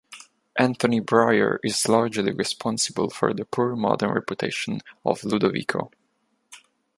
Anthony Bryer is largely responsible for the poor modern reputation of Ludovico.